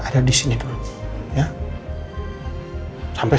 tapi ini kadang kadang masalah